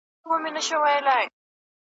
په هغه ګړې پر څټ د غوايی سپور سو `